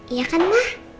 iya kan emah